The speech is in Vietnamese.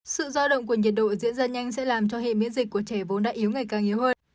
sự giao động của nhiệt độ diễn ra nhanh sẽ làm cho hệ miễn dịch của trẻ vốn đã yếu ngày càng nhiều hơn